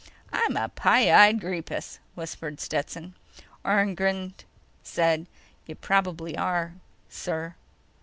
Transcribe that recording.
"I'm a pie eyed greepus," whispered Stetson. Orne grinned, said: "You probably are ... sir."